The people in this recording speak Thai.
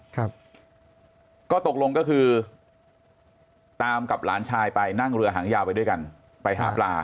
ครับก็ตกลงก็คือตามกับหลานชายไปนั่งเรือหางยาวไปด้วยกันไปหาปลา